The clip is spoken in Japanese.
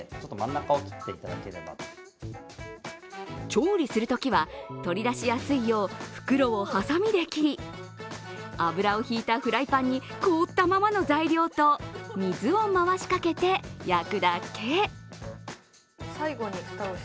調理するときは、取り出しやすいよう袋をはさみで切り、油をしいたフライパンに凍ったままの材料と水を回しかけて焼くだけ。